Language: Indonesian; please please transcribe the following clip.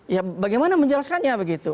ya bagaimana menjelaskannya begitu